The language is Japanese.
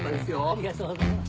ありがとうございます。